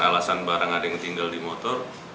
alasan barang ada yang tinggal di motor